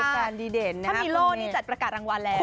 แฟนดีเด่นนะครับคุณเมย์